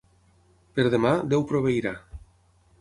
Per demà, Déu proveirà.